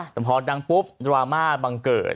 แต่พอดังปุ๊บดราม่าบังเกิด